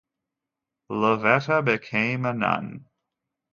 Ioveta became a nun.